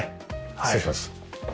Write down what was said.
失礼します。